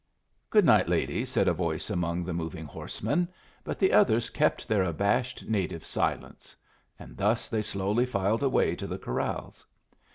"Good night, lady," said a voice among the moving horsemen, but the others kept their abashed native silence; and thus they slowly filed away to the corrals.